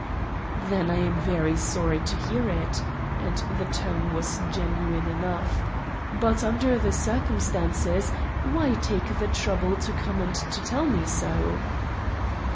"Then I am very sorry to hear it" and the tone was genuine enough. "But, under the circumstances, why take the trouble to come and tell me so?"